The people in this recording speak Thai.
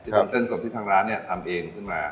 เป็นเส้นสดที่ทางร้านเนี่ยทำเองขึ้นมา